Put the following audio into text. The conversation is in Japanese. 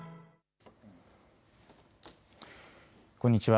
こんにちは。